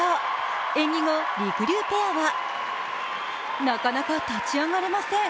演技後、りくりゅうペアは、なかなか立ち上がれません。